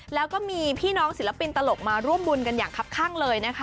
แล้วก็มีพี่น้องศิลปินตลกมาร่วมบุญกันอย่างคับข้างเลยนะคะ